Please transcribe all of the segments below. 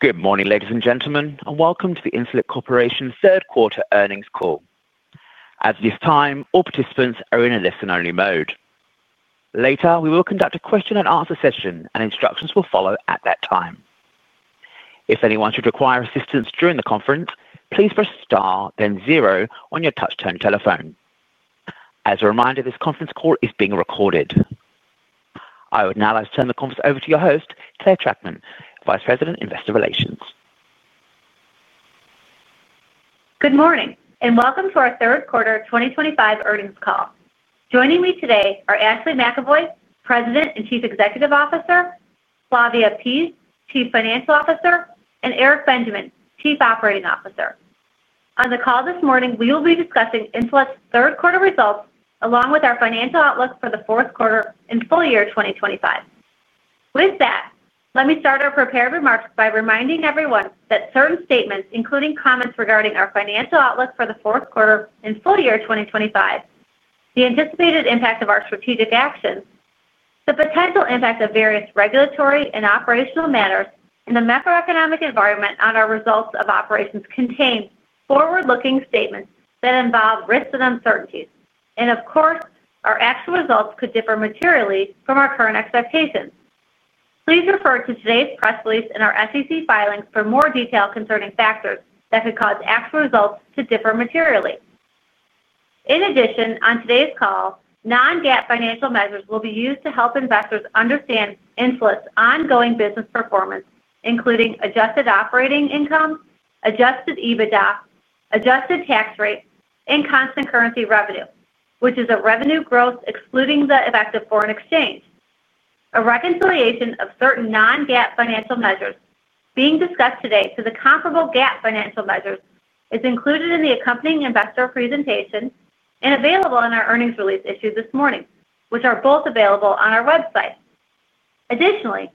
Good morning, ladies and gentlemen, and welcome to the Insulet Corporation's third-quarter earnings call. At this time, all participants are in a listen-only mode. Later, we will conduct a question-and-answer session, and instructions will follow at that time. If anyone should require assistance during the conference, please press star, then zero, on your touch-tone telephone. As a reminder, this conference call is being recorded. I would now like to turn the conference over to your host, Clare Trachtman, Vice President, Investor Relations. Good morning, and welcome to our third-quarter 2025 earnings call. Joining me today are Ashley McEvoy, President and Chief Executive Officer; Flavia Pease, Chief Financial Officer; and Eric Benjamin, Chief Operating Officer. On the call this morning, we will be discussing Insulet's third-quarter results, along with our financial outlook for the fourth quarter and full year 2025. With that, let me start our prepared remarks by reminding everyone that certain statements, including comments regarding our financial outlook for the fourth quarter and full year 2025, the anticipated impact of our strategic actions, the potential impact of various regulatory and operational matters, and the macroeconomic environment on our results of operations contain forward-looking statements that involve risks and uncertainties. Of course, our actual results could differ materially from our current expectations. Please refer to today's press release and our SEC filings for more detail concerning factors that could cause actual results to differ materially. In addition, on today's call, non-GAAP financial measures will be used to help investors understand Insulet's ongoing business performance, including adjusted operating income, adjusted EBITDA, adjusted tax rate, and constant currency revenue, which is a revenue growth excluding the effect of foreign exchange. A reconciliation of certain non-GAAP financial measures being discussed today to the comparable GAAP financial measures is included in the accompanying investor presentation and available in our earnings release issued this morning, which are both available on our website. Additionally,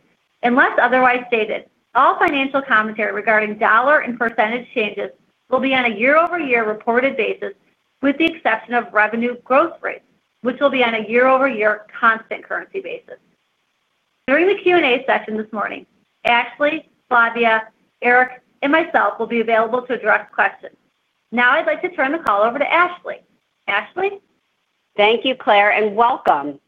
unless otherwise stated, all financial commentary regarding dollar and percentage changes will be on a year-over-year reported basis, with the exception of revenue growth rate, which will be on a year-over-year constant currency basis. During the Q&A session this morning, Ashley, Flavia, Eric, and myself will be available to address questions. Now, I'd like to turn the call over to Ashley. Ashley? Thank you, Clare, and welcome.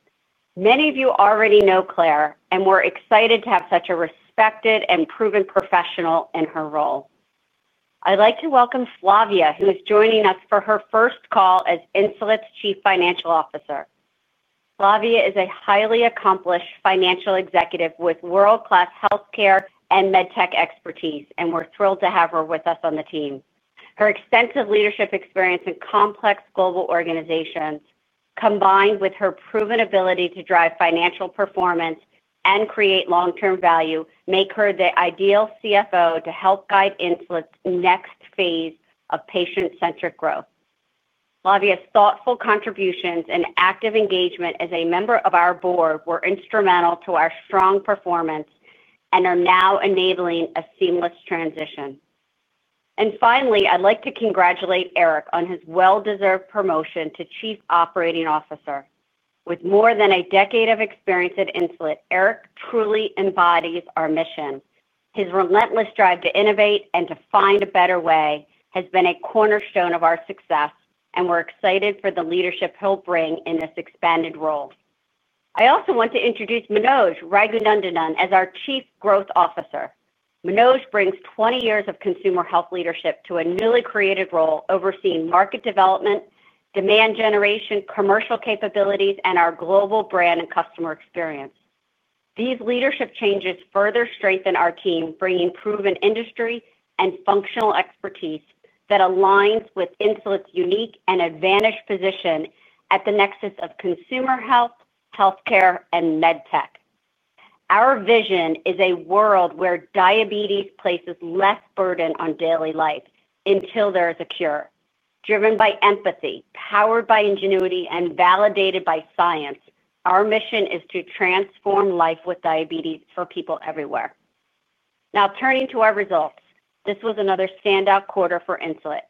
Many of you already know Clare, and we're excited to have such a respected and proven professional in her role. I'd like to welcome Flavia, who is joining us for her first call as Insulet's Chief Financial Officer. Flavia is a highly accomplished financial executive with world-class healthcare and medtech expertise, and we're thrilled to have her with us on the team. Her extensive leadership experience in complex global organizations, combined with her proven ability to drive financial performance and create long-term value, make her the ideal CFO to help guide Insulet's next phase of patient-centric growth. Flavia's thoughtful contributions and active engagement as a member of our board were instrumental to our strong performance and are now enabling a seamless transition. Finally, I'd like to congratulate Eric on his well-deserved promotion to Chief Operating Officer. With more than a decade of experience at Insulet, Eric truly embodies our mission. His relentless drive to innovate and to find a better way has been a cornerstone of our success, and we're excited for the leadership he'll bring in this expanded role. I also want to introduce Manoj Raghunandanan as our Chief Growth Officer. Manoj brings 20 years of consumer health leadership to a newly created role overseeing market development, demand generation, commercial capabilities, and our global brand and customer experience. These leadership changes further strengthen our team, bringing proven industry and functional expertise that aligns with Insulet's unique and advantaged position at the nexus of consumer health, healthcare, and medtech. Our vision is a world where diabetes places less burden on daily life until there is a cure. Driven by empathy, powered by ingenuity, and validated by science, our mission is to transform life with diabetes for people everywhere. Now, turning to our results, this was another standout quarter for Insulet,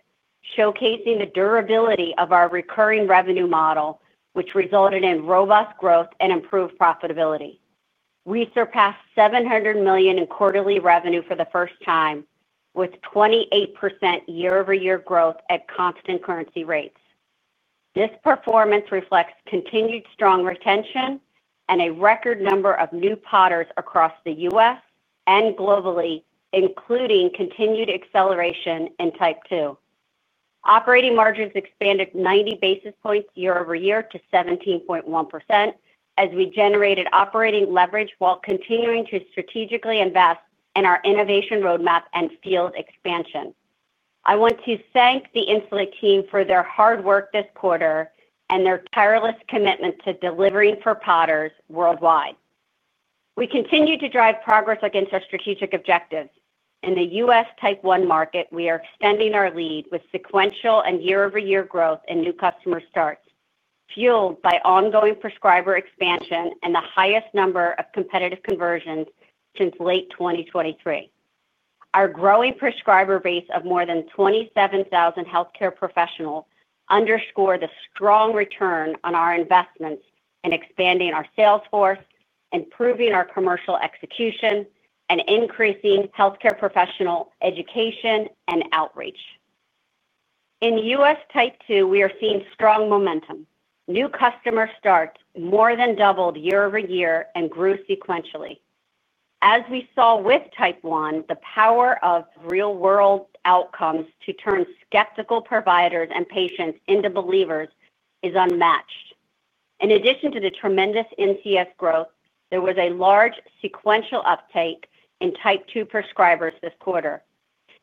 showcasing the durability of our recurring revenue model, which resulted in robust growth and improved profitability. We surpassed $700 million in quarterly revenue for the first time, with 28% year-over-year growth at constant currency rates. This performance reflects continued strong retention and a record number of new potters across the U.S. and globally, including continued acceleration in Type 2. Operating margins expanded 90 basis points year-over-year to 17.1% as we generated operating leverage while continuing to strategically invest in our innovation roadmap and field expansion. I want to thank the Insulet team for their hard work this quarter and their tireless commitment to delivering for potters worldwide. We continue to drive progress against our strategic objectives. In the U.S. Type 1 market, we are extending our lead with sequential and year-over-year growth and new customer starts, fueled by ongoing prescriber expansion and the highest number of competitive conversions since late 2023. Our growing prescriber base of more than 27,000 healthcare professionals underscores the strong return on our investments in expanding our sales force, improving our commercial execution, and increasing healthcare professional education and outreach. In U.S. Type 2, we are seeing strong momentum. New customer starts more than doubled year-over-year and grew sequentially. As we saw with Type 1, the power of real-world outcomes to turn skeptical providers and patients into believers is unmatched. In addition to the tremendous MCS growth, there was a large sequential uptake in Type 2 prescribers this quarter.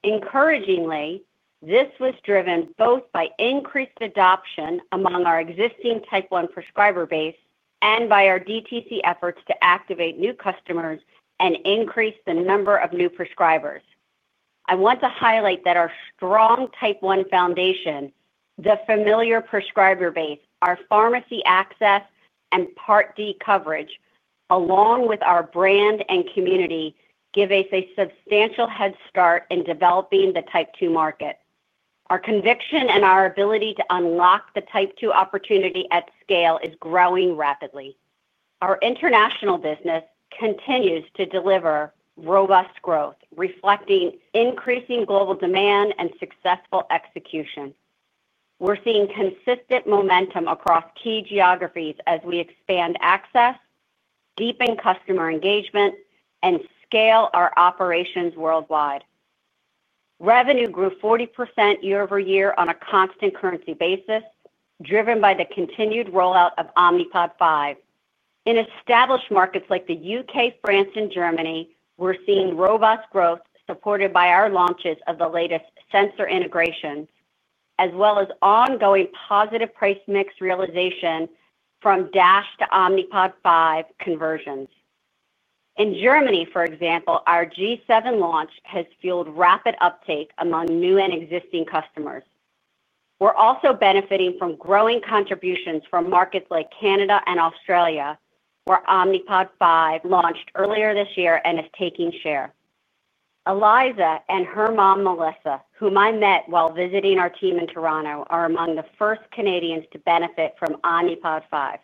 Encouragingly, this was driven both by increased adoption among our existing Type 1 prescriber base and by our DTC efforts to activate new customers and increase the number of new prescribers. I want to highlight that our strong Type 1 foundation, the familiar prescriber base, our pharmacy access, and Part D coverage, along with our brand and community, give us a substantial head start in developing the Type 2 market. Our conviction and our ability to unlock the Type 2 opportunity at scale is growing rapidly. Our international business continues to deliver robust growth, reflecting increasing global demand and successful execution. We're seeing consistent momentum across key geographies as we expand access, deepen customer engagement, and scale our operations worldwide. Revenue grew 40% year-over-year on a constant currency basis, driven by the continued rollout of Omnipod 5. In established markets like the U.K., France, and Germany, we're seeing robust growth supported by our launches of the latest sensor integration, as well as ongoing positive price mix realization from DASH to Omnipod 5 conversions. In Germany, for example, our G7 launch has fueled rapid uptake among new and existing customers. We're also benefiting from growing contributions from markets like Canada and Australia, where Omnipod 5 launched earlier this year and is taking share. Eliza and her mom, Melissa, whom I met while visiting our team in Toronto, are among the first Canadians to benefit from Omnipod 5.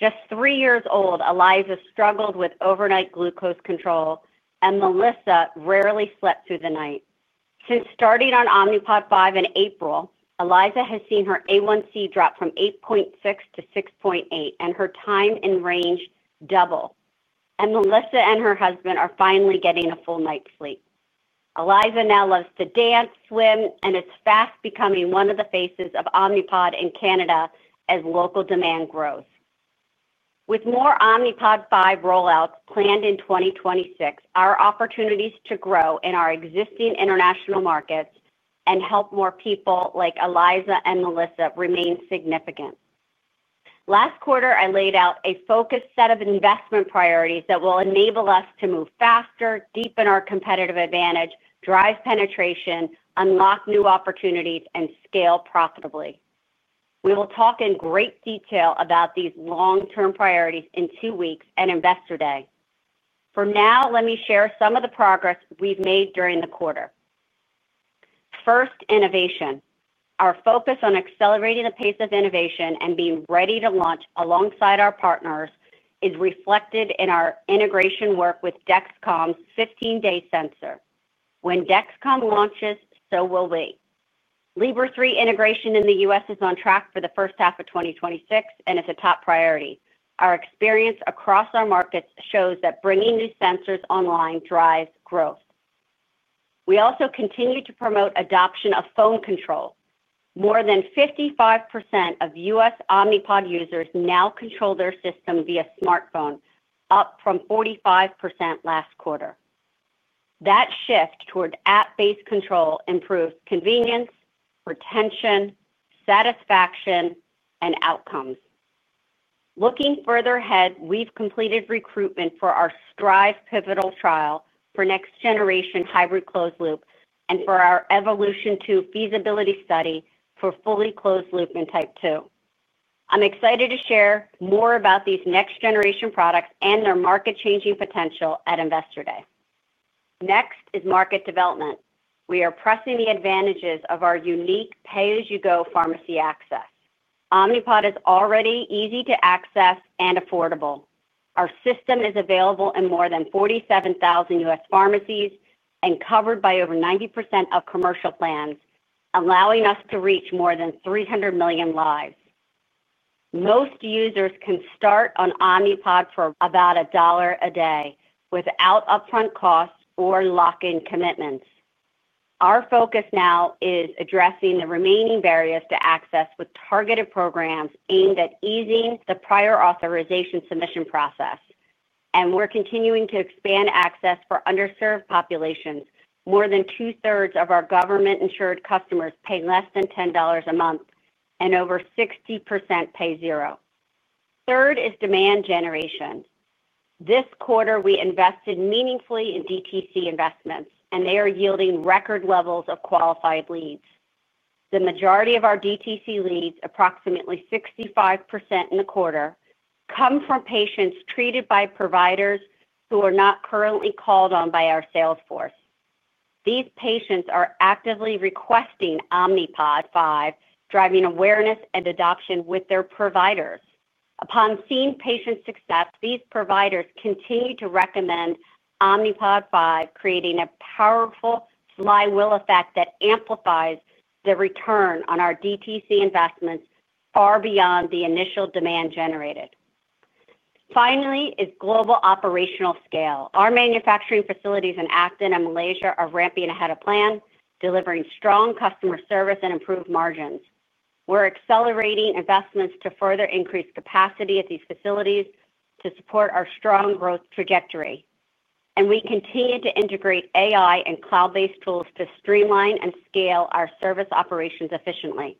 Just three years old, Eliza struggled with overnight glucose control, and Melissa rarely slept through the night. Since starting on Omnipod 5 in April, Eliza has seen her A1C drop from 8.6 to 6.8, and her time in range double. Melissa and her husband are finally getting a full night's sleep. Eliza now loves to dance, swim, and is fast becoming one of the faces of Omnipod in Canada as local demand grows. With more Omnipod 5 rollouts planned in 2026, our opportunities to grow in our existing international markets and help more people like Eliza and Melissa remain significant. Last quarter, I laid out a focused set of investment priorities that will enable us to move faster, deepen our competitive advantage, drive penetration, unlock new opportunities, and scale profitably. We will talk in great detail about these long-term priorities in two weeks at Investor Day. For now, let me share some of the progress we've made during the quarter. First, innovation. Our focus on accelerating the pace of innovation and being ready to launch alongside our partners is reflected in our integration work with Dexcom's 15-day sensor. When Dexcom launches, so will we. Libre 3 integration in the U.S. is on track for the first half of 2026, and it's a top priority. Our experience across our markets shows that bringing new sensors online drives growth. We also continue to promote adoption of phone control. More than 55% of U.S. Omnipod users now control their system via smartphone, up from 45% last quarter. That shift toward app-based control improves convenience, retention, satisfaction, and outcomes. Looking further ahead, we've completed recruitment for our STRIVE pivotal trial for next-generation hybrid closed-loop and for our EVOLUTION 2 feasibility study for fully closed-loop in Type 2. I'm excited to share more about these next-generation products and their market-changing potential at Investor Day. Next is market development. We are pressing the advantages of our unique pay-as-you-go pharmacy access. Omnipod is already easy to access and affordable. Our system is available in more than 47,000 U.S. pharmacies and covered by over 90% of commercial plans, allowing us to reach more than 300 million lives. Most users can start on Omnipod for about $1 a day without upfront costs or lock-in commitments. Our focus now is addressing the remaining barriers to access with targeted programs aimed at easing the prior authorization submission process. We are continuing to expand access for underserved populations. More than 2/3 of our government-insured customers pay less than $10 a month, and over 60% pay zero. Third is demand generation. This quarter, we invested meaningfully in DTC investments, and they are yielding record levels of qualified leads. The majority of our DTC leads, approximately 65% in the quarter, come from patients treated by providers who are not currently called on by our sales force. These patients are actively requesting Omnipod 5, driving awareness and adoption with their providers. Upon seeing patient success, these providers continue to recommend Omnipod 5, creating a powerful flywheel effect that amplifies the return on our DTC investments far beyond the initial demand generated. Finally is global operational scale. Our manufacturing facilities in Acton and Malaysia are ramping ahead of plan, delivering strong customer service and improved margins. We're accelerating investments to further increase capacity at these facilities to support our strong growth trajectory. We continue to integrate AI and cloud-based tools to streamline and scale our service operations efficiently.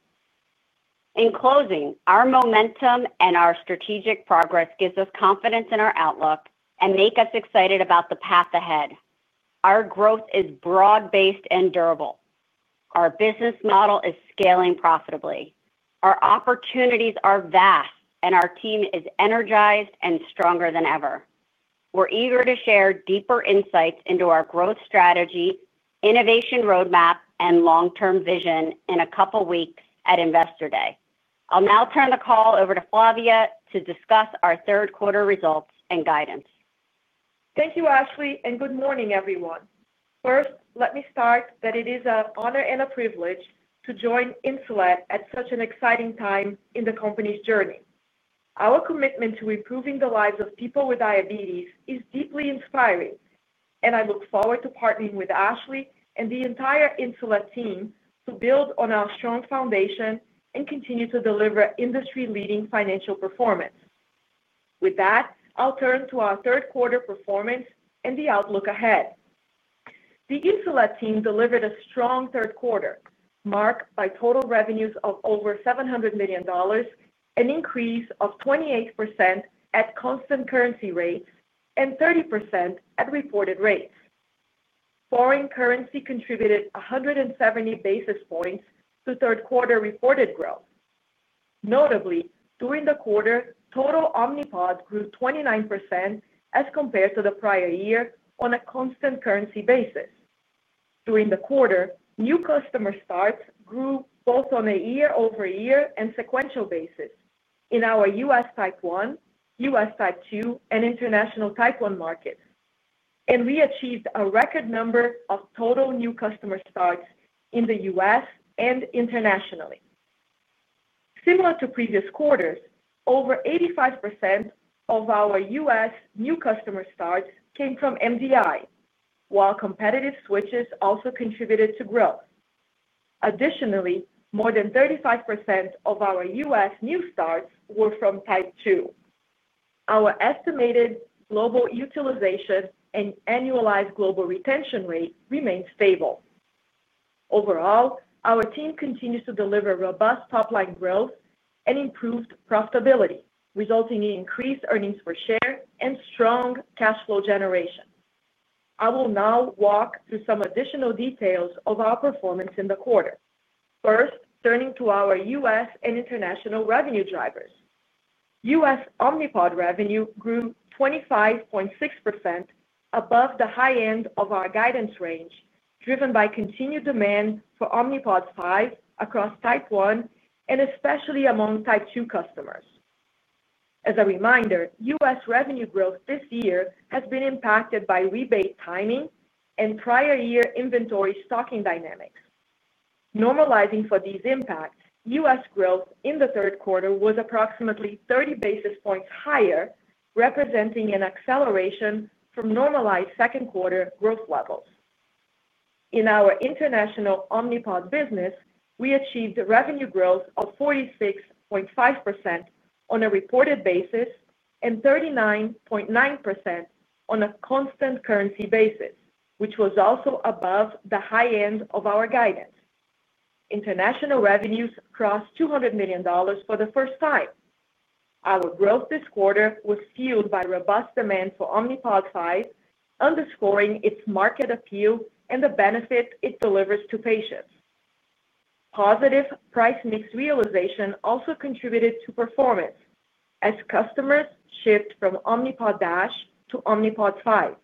In closing, our momentum and our strategic progress give us confidence in our outlook and make us excited about the path ahead. Our growth is broad-based and durable. Our business model is scaling profitably. Our opportunities are vast, and our team is energized and stronger than ever. We're eager to share deeper insights into our growth strategy, innovation roadmap, and long-term vision in a couple of weeks at Investor Day. I'll now turn the call over to Flavia to discuss our third quarter results and guidance. Thank you, Ashley, and good morning, everyone. First, let me start that it is an honor and a privilege to join Insulet at such an exciting time in the company's journey. Our commitment to improving the lives of people with diabetes is deeply inspiring, and I look forward to partnering with Ashley and the entire Insulet team to build on our strong foundation and continue to deliver industry-leading financial performance. With that, I'll turn to our third quarter performance and the outlook ahead. The Insulet team delivered a strong third quarter, marked by total revenues of over $700 million, an increase of 28% at constant currency rates, and 30% at reported rates. Foreign currency contributed 170 basis points to third quarter reported growth. Notably, during the quarter, total Omnipod grew 29% as compared to the prior year on a constant currency basis. During the quarter, new customer starts grew both on a year-over-year and sequential basis in our U.S. Type 1, U.S. Type 2, and international Type 1 markets. We achieved a record number of total new customer starts in the U.S. and internationally. Similar to previous quarters, over 85% of our U.S. new customer starts came from MDI, while competitive switches also contributed to growth. Additionally, more than 35% of our U.S. new starts were from Type 2. Our estimated global utilization and annualized global retention rate remained stable. Overall, our team continues to deliver robust top-line growth and improved profitability, resulting in increased earnings per share and strong cash flow generation. I will now walk through some additional details of our performance in the quarter. First, turning to our U.S. and international revenue drivers. U.S. Omnipod revenue grew 25.6% above the high end of our guidance range, driven by continued demand for Omnipod 5 across Type 1, and especially among Type 2 customers. As a reminder, U.S. revenue growth this year has been impacted by rebate timing and prior year inventory stocking dynamics. Normalizing for these impacts, U.S. growth in the third quarter was approximately 30 basis points higher, representing an acceleration from normalized second quarter growth levels. In our international Omnipod business, we achieved revenue growth of 46.5% on a reported basis and 39.9% on a constant currency basis, which was also above the high end of our guidance. International revenues crossed $200 million for the first time. Our growth this quarter was fueled by robust demand for Omnipod 5, underscoring its market appeal and the benefit it delivers to patients. Positive price mix realization also contributed to performance as customers shift from Omnipod DASH to Omnipod 5.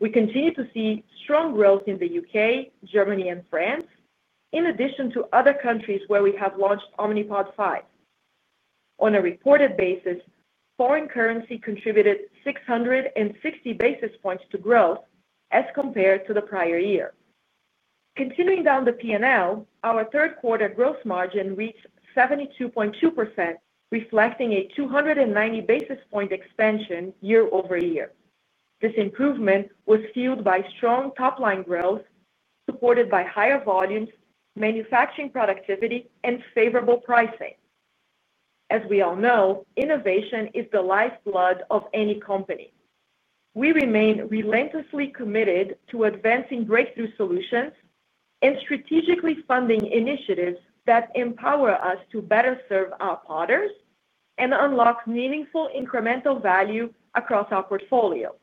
We continue to see strong growth in the U.K., Germany, and France, in addition to other countries where we have launched Omnipod 5. On a reported basis, foreign currency contributed 660 basis points to growth as compared to the prior year. Continuing down the P&L, our third quarter gross margin reached 72.2%, reflecting a 290 basis point expansion year-over-year. This improvement was fueled by strong top-line growth supported by higher volumes, manufacturing productivity, and favorable pricing. As we all know, innovation is the lifeblood of any company. We remain relentlessly committed to advancing breakthrough solutions and strategically funding initiatives that empower us to better serve our partners and unlock meaningful incremental value across our portfolio.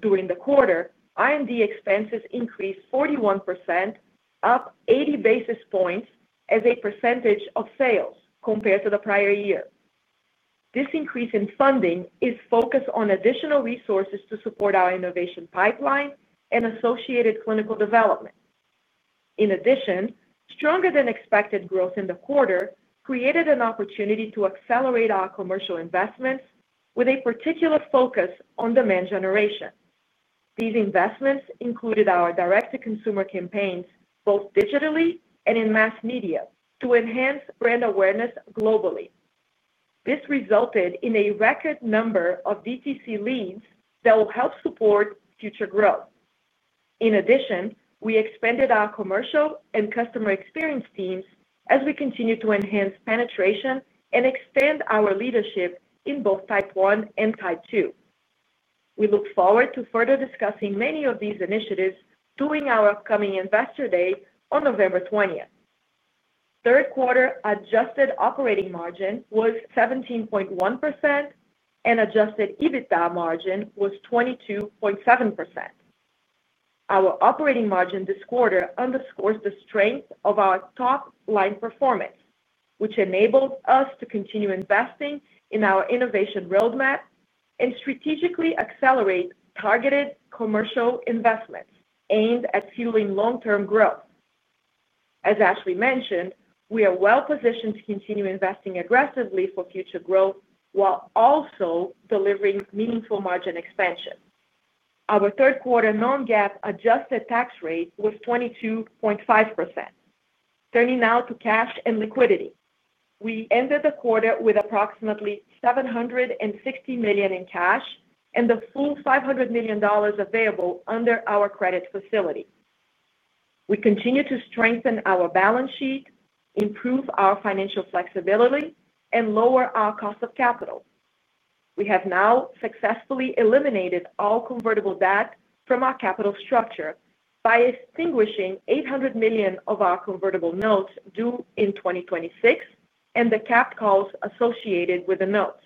During the quarter, R&D expenses increased 41%. Up 80 basis points as a percentage of sales compared to the prior year. This increase in funding is focused on additional resources to support our innovation pipeline and associated clinical development. In addition, stronger-than-expected growth in the quarter created an opportunity to accelerate our commercial investments with a particular focus on demand generation. These investments included our direct-to-consumer campaigns, both digitally and in mass media, to enhance brand awareness globally. This resulted in a record number of DTC leads that will help support future growth. In addition, we expanded our commercial and customer experience teams as we continue to enhance penetration and expand our leadership in both Type 1 and Type 2. We look forward to further discussing many of these initiatives during our upcoming Investor Day on November 20th. Third quarter adjusted operating margin was 17.1%, and adjusted EBITDA margin was 22.7%. Our operating margin this quarter underscores the strength of our top-line performance, which enabled us to continue investing in our innovation roadmap and strategically accelerate targeted commercial investments aimed at fueling long-term growth. As Ashley mentioned, we are well-positioned to continue investing aggressively for future growth while also delivering meaningful margin expansion. Our third quarter non-GAAP adjusted tax rate was 22.5%. Turning now to cash and liquidity. We ended the quarter with approximately $760 million in cash and the full $500 million available under our credit facility. We continue to strengthen our balance sheet, improve our financial flexibility, and lower our cost of capital. We have now successfully eliminated all convertible debt from our capital structure by extinguishing $800 million of our convertible notes due in 2026 and the capped calls associated with the notes.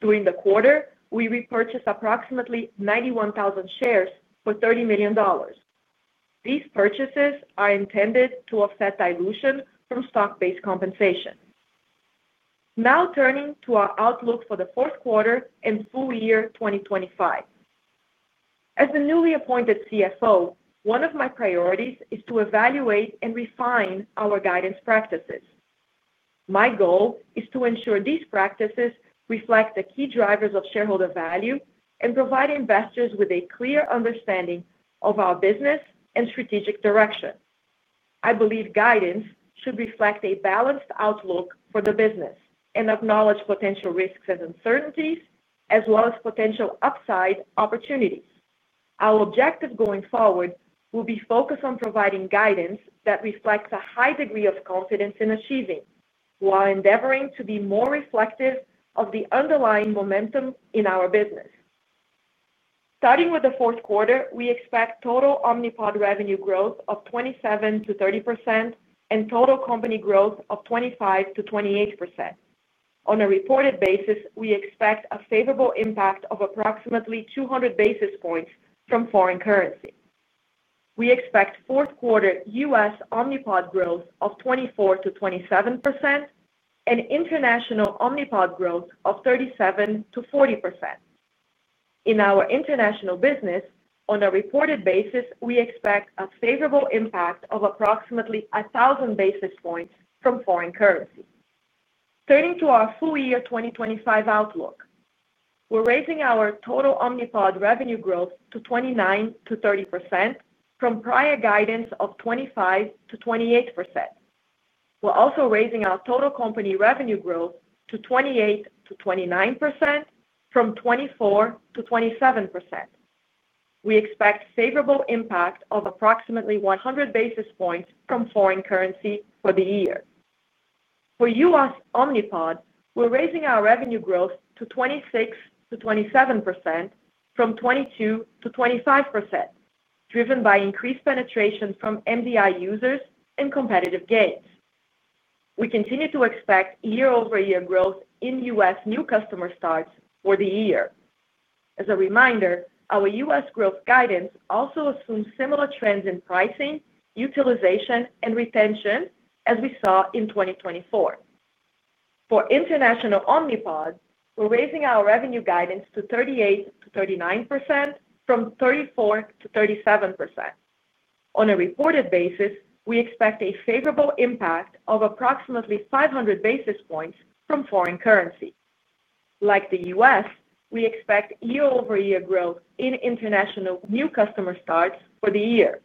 During the quarter, we repurchased approximately 91,000 shares for $30 million. These purchases are intended to offset dilution from stock-based compensation. Now turning to our outlook for the fourth quarter and full year 2025. As the newly appointed CFO, one of my priorities is to evaluate and refine our guidance practices. My goal is to ensure these practices reflect the key drivers of shareholder value and provide investors with a clear understanding of our business and strategic direction. I believe guidance should reflect a balanced outlook for the business and acknowledge potential risks and uncertainties, as well as potential upside opportunities. Our objective going forward will be focused on providing guidance that reflects a high degree of confidence in achieving, while endeavoring to be more reflective of the underlying momentum in our business. Starting with the fourth quarter, we expect total Omnipod revenue growth of 27%-30% and total company growth of 25%-28%. On a reported basis, we expect a favorable impact of approximately 200 basis points from foreign currency. We expect fourth quarter U.S. Omnipod growth of 24%-27%. And international Omnipod growth of 37%-40%. In our international business, on a reported basis, we expect a favorable impact of approximately 1,000 basis points from foreign currency. Turning to our full year 2025 outlook, we're raising our total Omnipod revenue growth to 29%-30% from prior guidance of 25%-28%. We're also raising our total company revenue growth to 28%-29% from 24%-27%. We expect a favorable impact of approximately 100 basis points from foreign currency for the year. For U.S. Omnipod, we're raising our revenue growth to 26%-27% from 22%-25%, driven by increased penetration from MDI users and competitive gains. We continue to expect year-over-year growth in U.S. new customer starts for the year. As a reminder, our U.S. growth guidance also assumes similar trends in pricing, utilization, and retention as we saw in 2024. For international Omnipod, we're raising our revenue guidance to 38%-39% from 34%-37%. On a reported basis, we expect a favorable impact of approximately 500 basis points from foreign currency. Like the U.S., we expect year-over-year growth in international new customer starts for the year.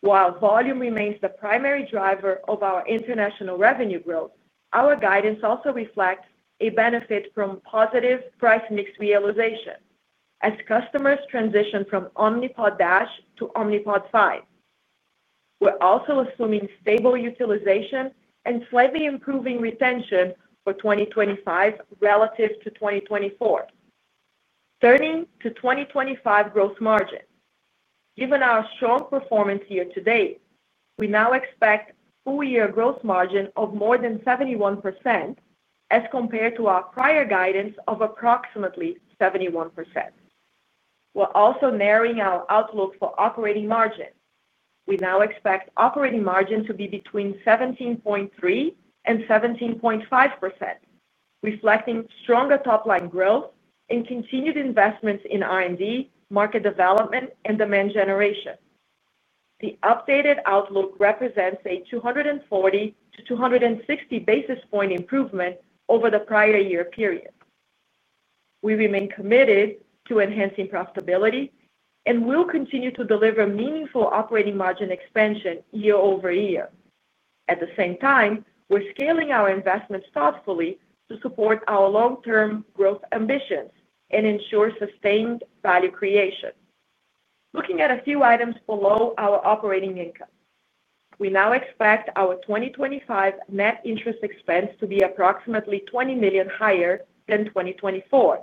While volume remains the primary driver of our international revenue growth, our guidance also reflects a benefit from positive price mix realization as customers transition from Omnipod DASH to Omnipod 5. We're also assuming stable utilization and slightly improving retention for 2025 relative to 2024. Turning to 2025 gross margin. Given our strong performance year-to-date, we now expect full year gross margin of more than 71%. As compared to our prior guidance of approximately 71%. We're also narrowing our outlook for operating margin. We now expect operating margin to be between 17.3% and 17.5%, reflecting stronger top-line growth and continued investments in R&D, market development, and demand generation. The updated outlook represents a 240-260 basis point improvement over the prior year period. We remain committed to enhancing profitability and will continue to deliver meaningful operating margin expansion year-over-year. At the same time, we're scaling our investments thoughtfully to support our long-term growth ambitions and ensure sustained value creation. Looking at a few items below our operating income, we now expect our 2025 net interest expense to be approximately $20 million higher than 2024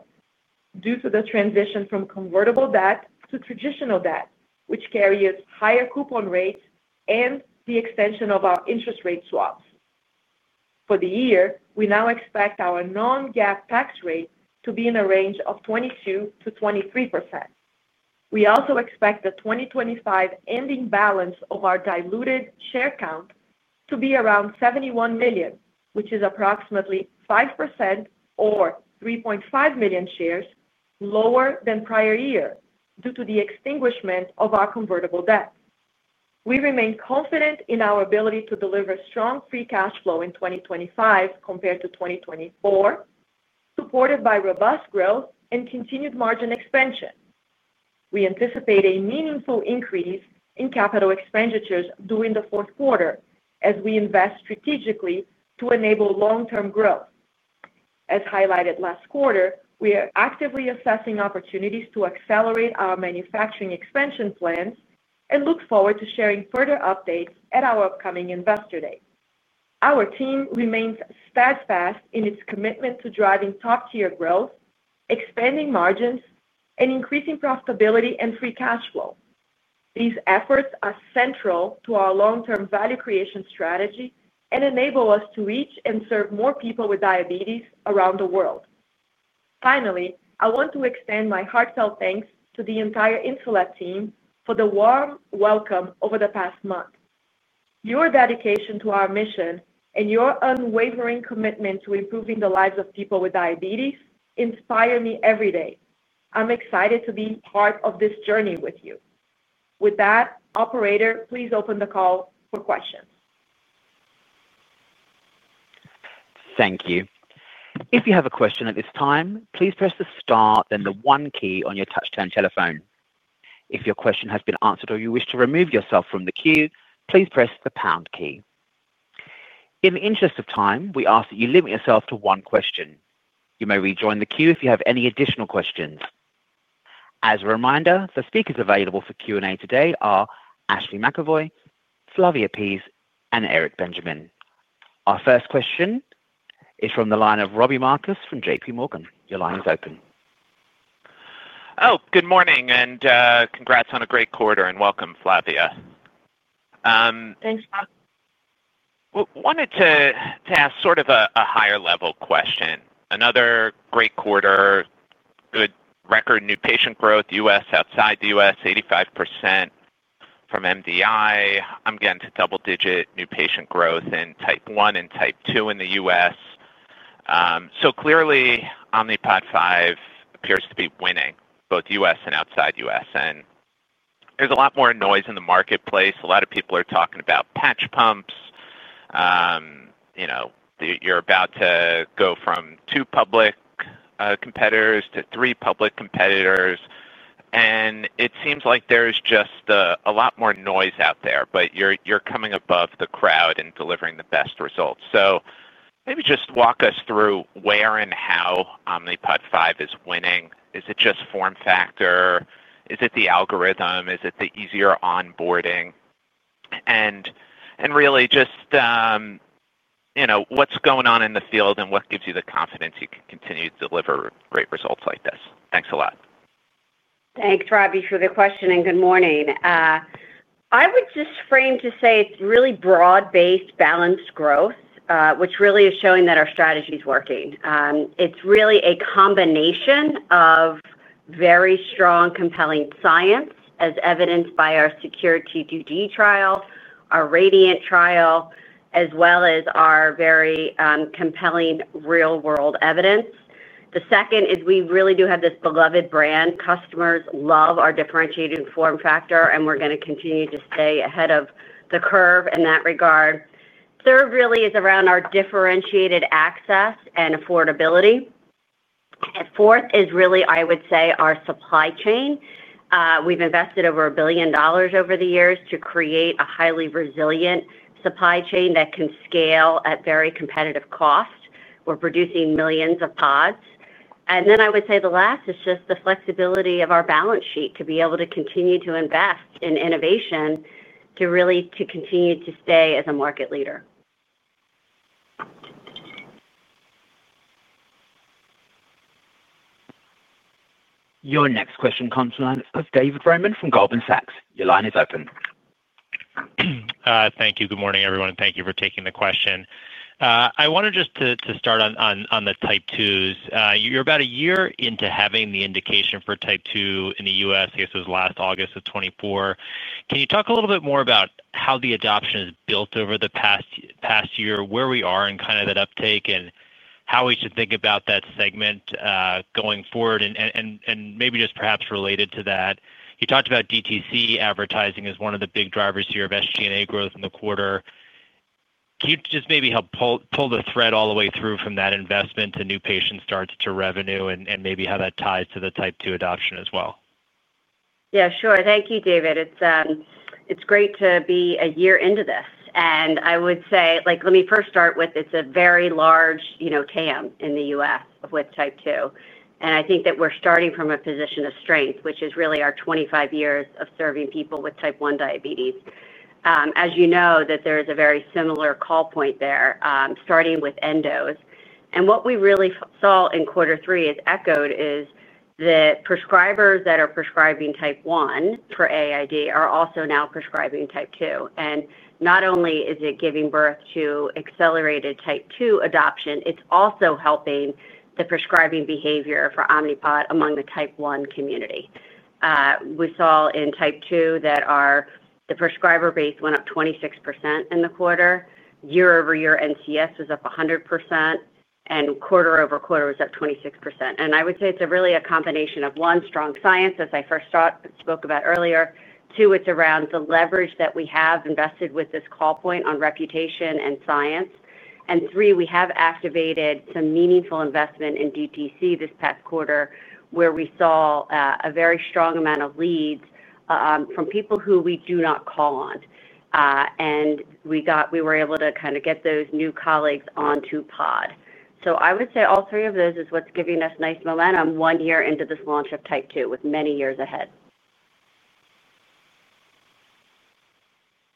due to the transition from convertible debt to traditional debt, which carries higher coupon rates and the extension of our interest rate swaps. For the year, we now expect our non-GAAP tax rate to be in a range of 22%-23%. We also expect the 2025 ending balance of our diluted share count to be around 71 million, which is approximately 5% or 3.5 million shares lower than prior year due to the extinguishment of our convertible debt. We remain confident in our ability to deliver strong free cash flow in 2025 compared to 2024, supported by robust growth and continued margin expansion. We anticipate a meaningful increase in capital expenditures during the fourth quarter as we invest strategically to enable long-term growth. As highlighted last quarter, we are actively assessing opportunities to accelerate our manufacturing expansion plans and look forward to sharing further updates at our upcoming Investor Day. Our team remains steadfast in its commitment to driving top-tier growth, expanding margins, and increasing profitability and free cash flow. These efforts are central to our long-term value creation strategy and enable us to reach and serve more people with diabetes around the world. Finally, I want to extend my heartfelt thanks to the entire Insulet team for the warm welcome over the past month. Your dedication to our mission and your unwavering commitment to improving the lives of people with diabetes inspire me every day. I'm excited to be part of this journey with you. With that, Operator, please open the call for questions. Thank you. If you have a question at this time, please press the star then the one key on your touch-tone telephone. If your question has been answered or you wish to remove yourself from the queue, please press the pound key. In the interest of time, we ask that you limit yourself to one question. You may rejoin the queue if you have any additional questions. As a reminder, the speakers available for Q&A today are Ashley McEvoy, Flavia Pease, and Eric Benjamin. Our first question is from the line of Robbie Marcus from JPMorgan. Your line is open. Oh, good morning and congrats on a great quarter. And welcome, Flavia. Wanted to ask sort of a higher-level question. Another great quarter, good record, new patient growth, U.S. outside the U.S., 85% from MDI. I'm getting to double-digit new patient growth in Type 1 and Type 2 in the U.S. Clearly, Omnipod 5 appears to be winning both U.S. and outside U.S. There is a lot more noise in the marketplace. A lot of people are talking about patch pumps. You're about to go from two public competitors to three public competitors. It seems like there is just a lot more noise out there, but you're coming above the crowd and delivering the best results. Maybe just walk us through where and how Omnipod 5 is winning. Is it just form factor? Is it the algorithm? Is it the easier onboarding? Really just, what's going on in the field and what gives you the confidence you can continue to deliver great results like this? Thanks a lot. Thanks, Robbie, for the question. Good morning. I would just frame to say it's really broad-based, balanced growth, which really is showing that our strategy is working. It's really a combination of very strong, compelling science, as evidenced by our SECURE-T2D trial, our RADIANT trial, as well as our very compelling real-world evidence. The second is we really do have this beloved brand. Customers love our differentiated form factor, and we're going to continue to stay ahead of the curve in that regard. Third really is around our differentiated access and affordability. Fourth is really, I would say, our supply chain. We've invested over $1 billion over the years to create a highly resilient supply chain that can scale at very competitive cost. We're producing millions of pods. I would say the last is just the flexibility of our balance sheet to be able to continue to invest in innovation to really continue to stay as a market leader. Your next question comes from David Roman from Goldman Sachs. Your line is open. Thank you. Good morning, everyone. Thank you for taking the question. I wanted just to start on the Type 2s. You're about a year into having the indication for Type 2 in the U.S., I guess it was last August of 2024. Can you talk a little bit more about how the adoption has built over the past year, where we are in kind of that uptake, and how we should think about that segment going forward? And maybe just perhaps related to that, you talked about DTC advertising as one of the big drivers here of SG&A growth in the quarter. Can you just maybe help pull the thread all the way through from that investment to new patient starts to revenue and maybe how that ties to the Type 2 adoption as well? Yeah, sure. Thank you, David. It's great to be a year into this. I would say, let me first start with, it's a very large TAM in the U.S. with Type 2. I think that we're starting from a position of strength, which is really our 25 years of serving people with Type 1 diabetes. As you know, there is a very similar call point there, starting with [Endo]. What we really saw in quarter three is echoed is the prescribers that are prescribing Type 1 for AID are also now prescribing Type 2. Not only is it giving birth to accelerated Type 2 adoption, it is also helping the prescribing behavior for Omnipod among the Type 1 community. We saw in Type 2 that the prescriber base went up 26% in the quarter. Year-over-year NCS was up 100%. Quarter-over-quarter was up 26%. I would say it is really a combination of, one, strong science, as I first spoke about earlier. Two, it is around the leverage that we have invested with this call point on reputation and science. Three, we have activated some meaningful investment in DTC this past quarter, where we saw a very strong amount of leads from people who we do not call on. We were able to kind of get those new colleagues onto Pod. I would say all three of those is what's giving us nice momentum one year into this launch of Type 2 with many years ahead.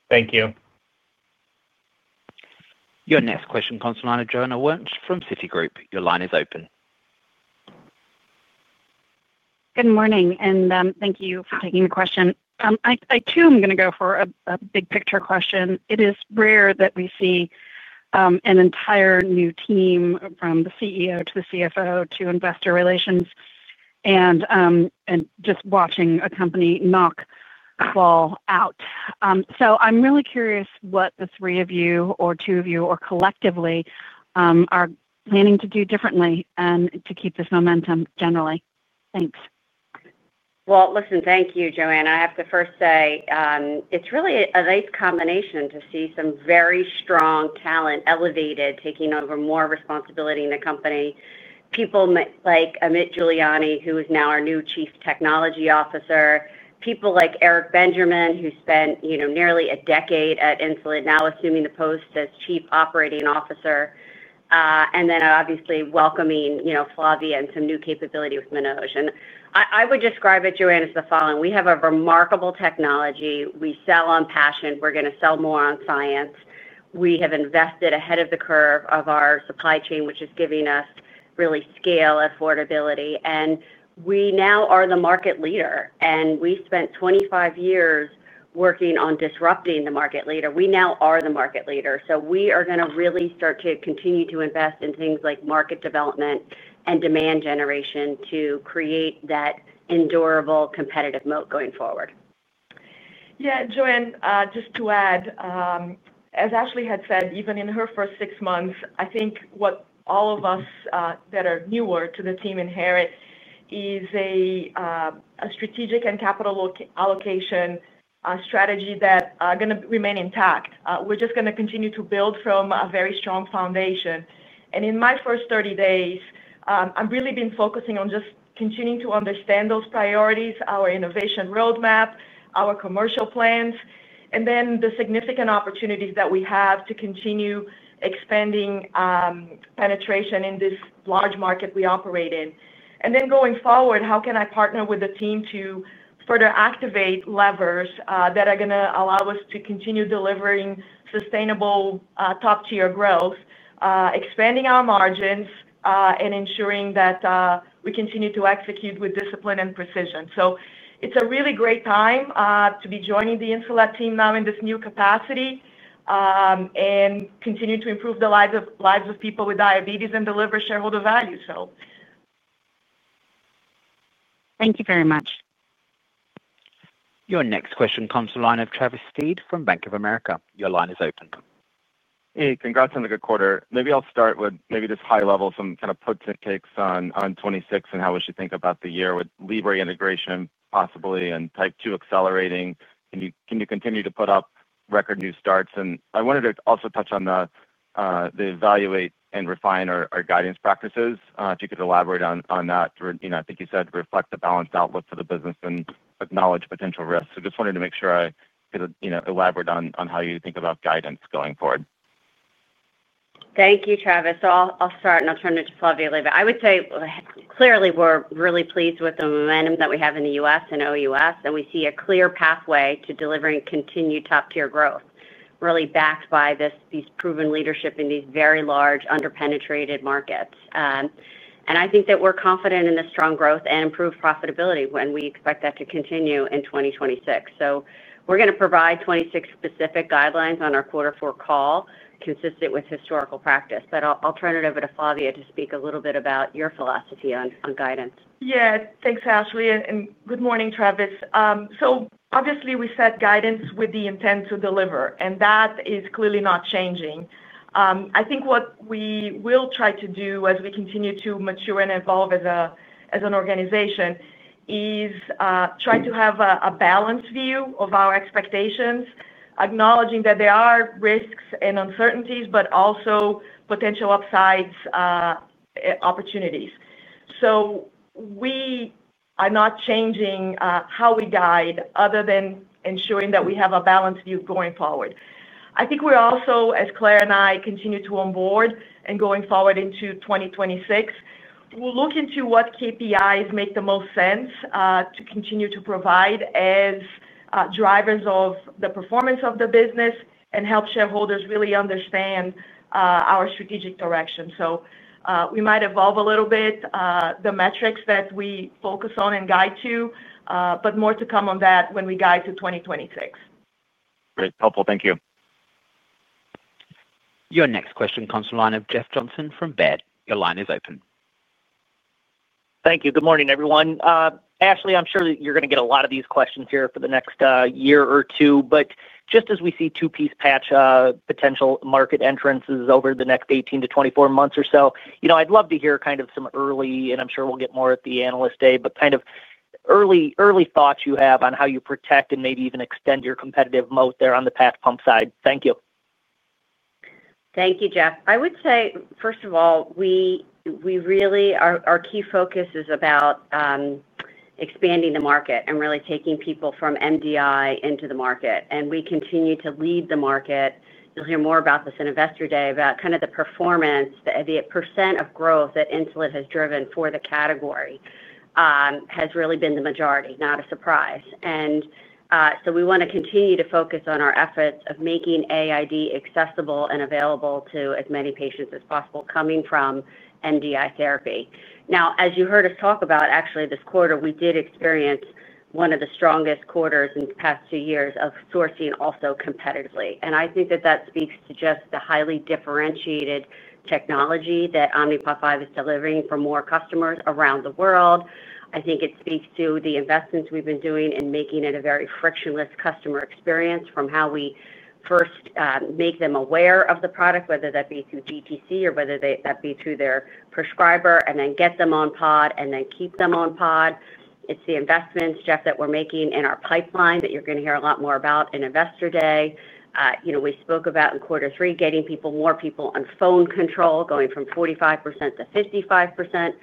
Thank you. Your next question comes from the line of Joanne Wuensch from Citigroup. Your line is open. Good morning. And thank you for taking the question. I too am going to go for a big picture question. It is rare that we see an entire new team from the CEO to the CFO to investor relations. Just watching a company not fall out. I'm really curious what the three of you or two of you or collectively are planning to do differently and to keep this momentum generally. Thanks. Thank you, Joanna. I have to first say it's really a nice combination to see some very strong talent elevated, taking over more responsibility in the company. People like Amit Guliani, who is now our new Chief Technology Officer, people like Eric Benjamin, who spent nearly a decade at Insulet, now assuming the post as Chief Operating Officer. Obviously welcoming Flavia and some new capability with Manoj. I would describe it, Joanne, as the following. We have a remarkable technology. We sell on passion. We are going to sell more on science. We have invested ahead of the curve of our supply chain, which is giving us really scale affordability. We now are the market leader. We spent 25 years working on disrupting the market leader. We now are the market leader. We are going to really start to continue to invest in things like market development and demand generation to create that endurable competitive moat going forward. Yeah, Joanne, just to add. As Ashley had said, even in her first six months, I think what all of us that are newer to the team inherit is a strategic and capital allocation strategy that is going to remain intact. We are just going to continue to build from a very strong foundation. In my first 30 days, I have really been focusing on just continuing to understand those priorities, our innovation roadmap, our commercial plans, and then the significant opportunities that we have to continue expanding. Penetration in this large market we operate in. Going forward, how can I partner with the team to further activate levers that are going to allow us to continue delivering sustainable top-tier growth, expanding our margins, and ensuring that we continue to execute with discipline and precision. It is a really great time to be joining the Insulet team now in this new capacity. Continue to improve the lives of people with diabetes and deliver shareholder value. Thank you very much. Your next question, Comes from the line of Travis Steed from Bank of America. Your line is open. Hey, congrats on a good quarter. Maybe I'll start with maybe this high level, some kind of potent takes on 2026 and how we should think about the year with Libre integration possibly and Type 2 accelerating. Can you continue to put up record new starts? I wanted to also touch on the evaluate and refine our guidance practices. If you could elaborate on that. I think you said reflect the balanced outlook for the business and acknowledge potential risks. Just wanted to make sure I could elaborate on how you think about guidance going forward. Thank you, Travis. I'll start and I'll turn it to Flavia later. I would say clearly we're really pleased with the momentum that we have in the U.S. and OUS, and we see a clear pathway to delivering continued top-tier growth, really backed by this proven leadership in these very large under-penetrated markets. I think that we're confident in the strong growth and improved profitability when we expect that to continue in 2026. We're going to provide 2026 specific guidelines on our quarter four call, consistent with historical practice. I'll turn it over to Flavia to speak a little bit about your philosophy on guidance. Yeah, thanks, Ashley. Good morning, Travis. Obviously we set guidance with the intent to deliver, and that is clearly not changing. I think what we will try to do as we continue to mature and evolve as an organization is try to have a balanced view of our expectations, acknowledging that there are risks and uncertainties, but also potential upsides, opportunities. We are not changing how we guide other than ensuring that we have a balanced view going forward. I think we're also, as Clare and I continue to onboard and going forward into 2026, we'll look into what KPIs make the most sense to continue to provide as drivers of the performance of the business and help shareholders really understand our strategic direction. We might evolve a little bit the metrics that we focus on and guide to, but more to come on that when we guide to 2026. Great. Helpful. Thank you. Your next question comes from the line of Jeff Johnson from Baird. Your line is open. Thank you. Good morning, everyone. Ashley, I'm sure that you're going to get a lot of these questions here for the next year or two. Just as we see two-piece patch potential market entrances over the next 18-24 months or so, I'd love to hear kind of some early, and I'm sure we'll get more at the analyst day, but kind of early thoughts you have on how you protect and maybe even extend your competitive moat there on the patch pump side. Thank you. Thank you, Jeff. I would say, first of all, our key focus is about expanding the market and really taking people from MDI into the market. We continue to lead the market. You'll hear more about this in Investor Day about kind of the performance, the percent of growth that Insulet has driven for the category has really been the majority, not a surprise. We want to continue to focus on our efforts of making AID accessible and available to as many patients as possible coming from MDI therapy. Now, as you heard us talk about, actually, this quarter, we did experience one of the strongest quarters in the past two years of sourcing also competitively. I think that that speaks to just the highly differentiated technology that Omnipod 5 is delivering for more customers around the world. I think it speaks to the investments we have been doing in making it a very frictionless customer experience from how we first make them aware of the product, whether that be through DTC or whether that be through their prescriber, and then get them on Pod and then keep them on Pod. It's the investments, Jeff, that we're making in our pipeline that you're going to hear a lot more about in Investor Day. We spoke about in quarter three, getting more people on phone control, going from 45% to 55%.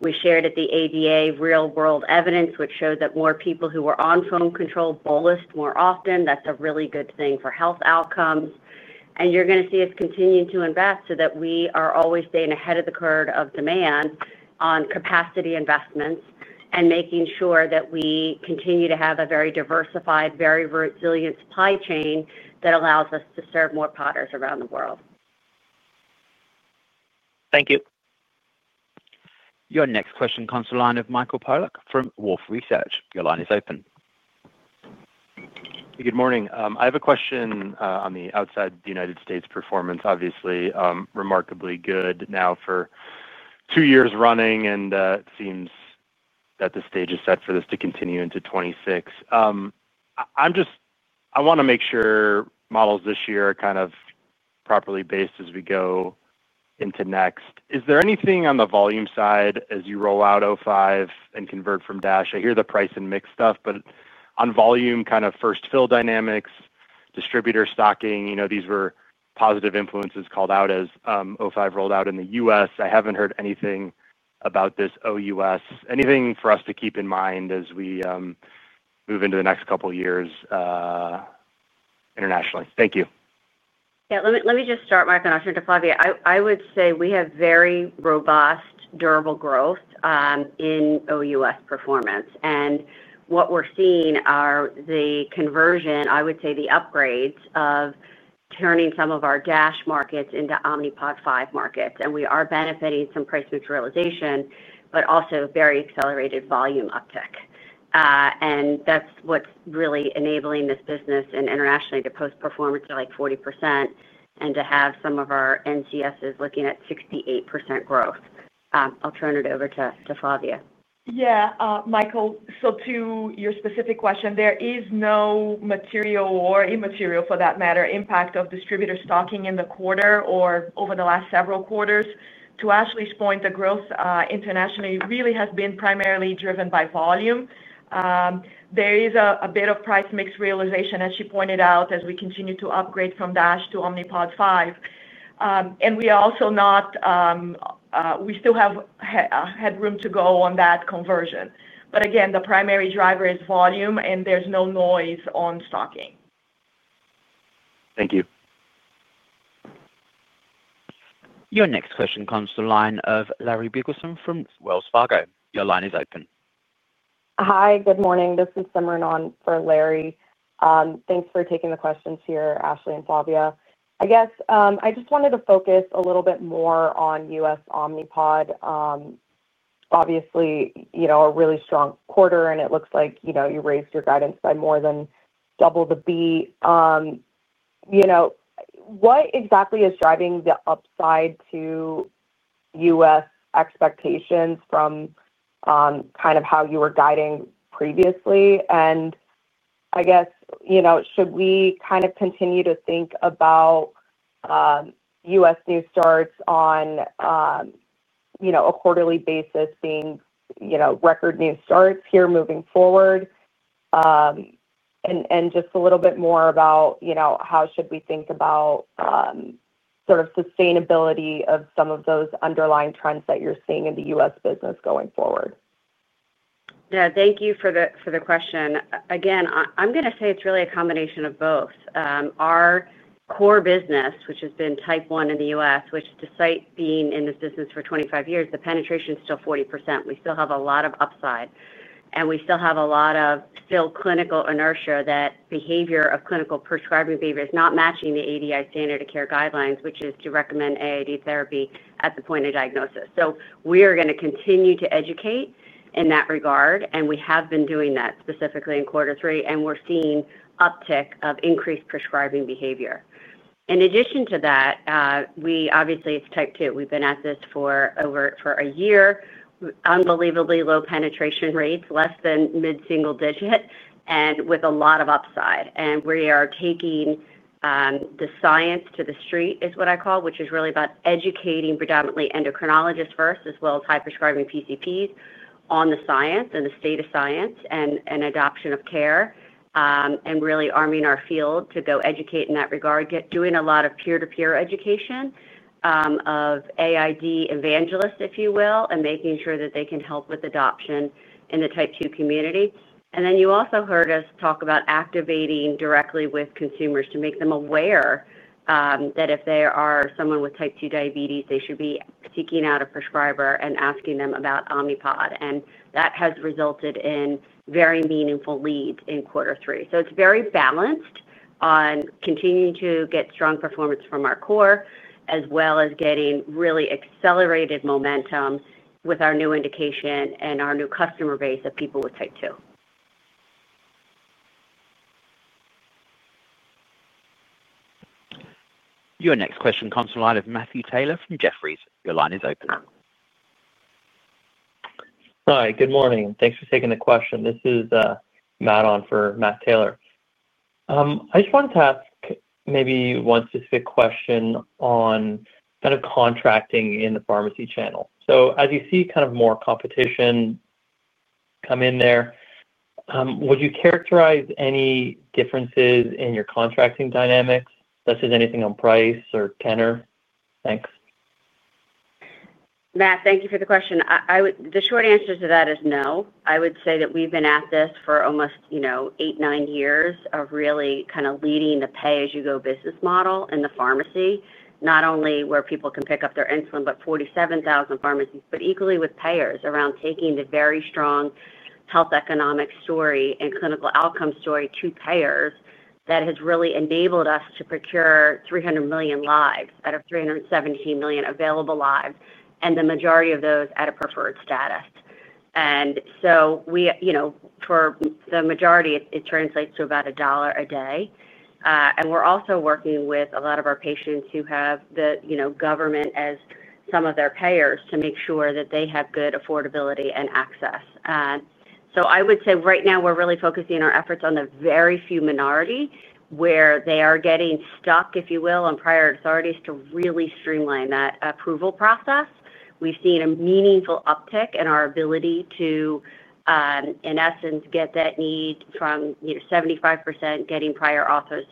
We shared at the ADA real-world evidence, which showed that more people who were on phone control bolused more often. That's a really good thing for health outcomes. You're going to see us continue to invest so that we are always staying ahead of the curve of demand on capacity investments and making sure that we continue to have a very diversified, very resilient supply chain that allows us to serve more podders around the world. Thank you. Your next question, Comes from the line of Michael Polark from Wolfe Research. Your line is open. Good morning. I have a question on the outside of the United States performance. Obviously, remarkably good now for two years running, and it seems that the stage is set for this to continue into 2026. I want to make sure models this year are kind of properly based as we go into next. Is there anything on the volume side as you roll out O5 and convert from DASH? I hear the price and mix stuff, but on volume, kind of first fill dynamics, distributor stocking, these were positive influences called out as O5 rolled out in the U.S. I have not heard anything about this OUS. Anything for us to keep in mind as we move into the next couple of years internationally? Thank you. Yeah, let me just start my question to Flavia. I would say we have very robust, durable growth in OUS performance. And what we are seeing are the conversion, I would say the upgrades of turning some of our DASH markets into Omnipod 5 markets. We are benefiting from some price materialization, but also very accelerated volume uptake. That is what is really enabling this business internationally to post performance to like 40% and to have some of our NCSs looking at 68% growth. I'll turn it over to Flavia. Yeah, Michael, to your specific question, there is no material or immaterial, for that matter, impact of distributor stocking in the quarter or over the last several quarters. To Ashley's point, the growth internationally really has been primarily driven by volume. There is a bit of price mix realization, as she pointed out, as we continue to upgrade from DASH to Omnipod 5. We are also not. We still have had room to go on that conversion. Again, the primary driver is volume, and there is no noise on stocking. Thank you. Your next question comes from the line of Larry Biegelsen from Wells Fargo. Your line is open. Hi, good morning. This is [Simran] on for Larry. Thanks for taking the questions here, Ashley and Flavia. I guess I just wanted to focus a little bit more on U.S. Omnipod. Obviously, a really strong quarter, and it looks like you raised your guidance by more than double the beat. What exactly is driving the upside to U.S. expectations from kind of how you were guiding previously? I guess, should we kind of continue to think about U.S. new starts on a quarterly basis being record new starts here moving forward? Just a little bit more about how should we think about sort of sustainability of some of those underlying trends that you're seeing in the U.S. business going forward? Yeah, thank you for the question. Again, I'm going to say it's really a combination of both. Our core business, which has been Type 1 in the U.S., which, despite being in this business for 25 years, the penetration is still 40%. We still have a lot of upside. We still have a lot of clinical inertia that behavior of clinical prescribing behavior is not matching the AID standard of care guidelines, which is to recommend AID therapy at the point of diagnosis. We are going to continue to educate in that regard, and we have been doing that specifically in quarter three, and we're seeing uptick of increased prescribing behavior. In addition to that, obviously, it's Type 2. We've been at this for over a year, unbelievably low penetration rates, less than mid-single digit, and with a lot of upside. We are taking the science to the street, is what I call, which is really about educating predominantly endocrinologists first, as well as high prescribing PCPs on the science and the state of science and adoption of care, and really arming our field to go educate in that regard, doing a lot of peer-to-peer education. Of AID evangelists, if you will, and making sure that they can help with adoption in the Type 2 community. You also heard us talk about activating directly with consumers to make them aware. That if they are someone with Type 2 diabetes, they should be seeking out a prescriber and asking them about Omnipod. That has resulted in very meaningful leads in quarter three. It is very balanced on continuing to get strong performance from our core, as well as getting really accelerated momentum with our new indication and our new customer base of people with Type 2. Your next question comes from the line of Matthew Taylor from Jefferies. Your line is open. Hi, good morning. Thanks for taking the question. This is Matt on for Matt Taylor. I just wanted to ask maybe one specific question on kind of contracting in the pharmacy channel. As you see kind of more competition come in there, would you characterize any differences in your contracting dynamics, such as anything on price or tenor? Thanks. Matt, thank you for the question. The short answer to that is no. I would say that we've been at this for almost eight, nine years of really kind of leading the pay-as-you-go business model in the pharmacy, not only where people can pick up their insulin, but 47,000 pharmacies, but equally with payers around taking the very strong health economic story and clinical outcome story to payers that has really enabled us to procure 300 million lives out of 317 million available lives, and the majority of those at a preferred status. For the majority, it translates to about a dollar a day. We're also working with a lot of our patients who have the government as some of their payers to make sure that they have good affordability and access. I would say right now we're really focusing our efforts on the very few minority where they are getting stuck, if you will, on prior authorities to really streamline that approval process. We've seen a meaningful uptick in our ability to, in essence, get that need from 75% getting prior authors